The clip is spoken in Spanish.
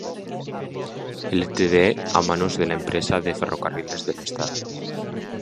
Ltd a manos de la Empresa de Ferrocarriles del Estado.